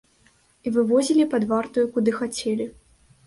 І вывозілі пад вартаю куды хацелі.